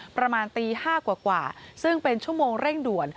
ประมาณตี๕กว่าซึ่งเป็นชั่วโมงเร่งด่วน